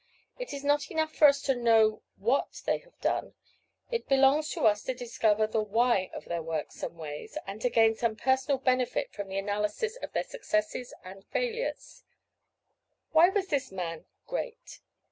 It is not enough for us to know WHAT they have done; it belongs to us to discover the WHY of their works and ways, and to gain some personal benefit from the analysis of their successes and failures. Why was this man great?